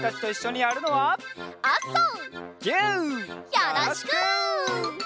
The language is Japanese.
よろしく！